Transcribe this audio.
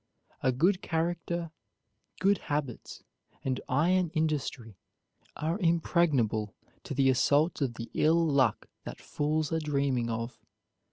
A good character, good habits, and iron industry are impregnable to the assaults of the ill luck that fools are dreaming of.